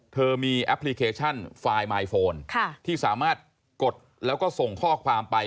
เธอมีแอปพลิเคชันไฟล์ไมโฟนที่สามารถกดแล้วก็ส่งข้อความไป